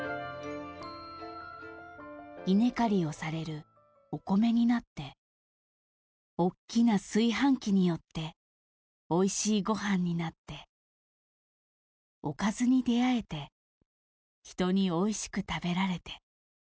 いねかりをされるおこめになっておっきな炊飯器によっておいしいごはんになっておかずにであえてひとにおいしく食べられて。